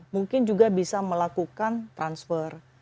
mungkin juga bisa melakukan transfer